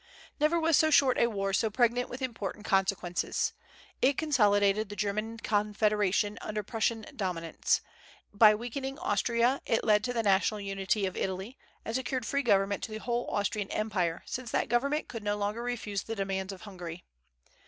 Never was so short a war so pregnant with important consequences. It consolidated the German Confederation under Prussian dominance. By weakening Austria it led to the national unity of Italy, and secured free government to the whole Austrian empire, since that government could no longer refuse the demands of Hungary.